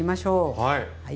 はい。